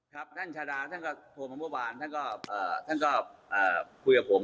ครับท่านชาดาท่านก็โทรมาเมื่อวานท่านก็คุยกับผม